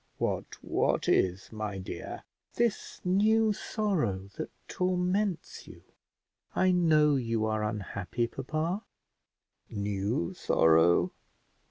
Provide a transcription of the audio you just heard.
"What what is, my dear?" "This new sorrow that torments you; I know you are unhappy, papa." "New sorrow!